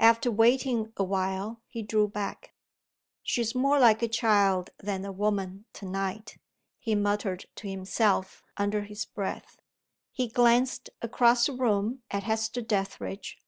After waiting a while, he drew back. "She's more like a child than a woman to night," he muttered to himself under his breath. He glanced across the room at Hester Dethridge.